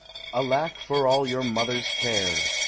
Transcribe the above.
" Alack for all your mother's care!